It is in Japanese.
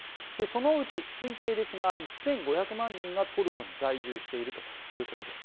そのうち推定ですが１５００万人がトルコに在住しているということです。